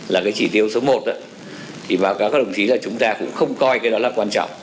là cái chỉ tiêu số một thì báo cáo các đồng chí là chúng ta cũng không coi cái đó là quan trọng